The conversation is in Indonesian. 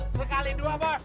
sekali dua bos